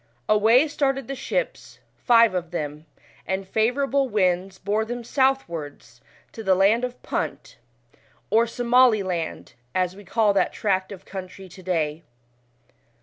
Away started the ships, five of them, and fav ourable winds bore them southwards to the land of Punt, or Somaliland, as we call that tract of country to day.